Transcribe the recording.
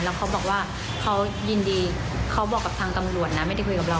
แล้วเขาบอกว่าเขายินดีเขาบอกกับทางตำรวจนะไม่ได้คุยกับเรา